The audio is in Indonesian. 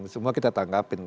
semua kita tanggapin